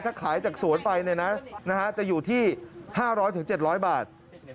ถ้าขายจากสวนไปจะอยู่ที่๕๐๐๗๐๐บาท